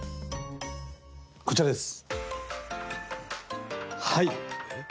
こちらです。